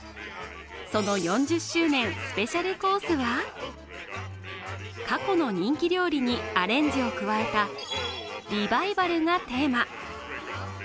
その４０周年スペシャルコースは過去の人気料理にアレンジを加えたリバイバルがテーマ。